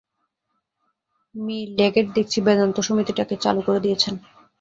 Me Leggett দেখছি বেদান্ত সমিতিটাকে চালু করে দিয়েছেন।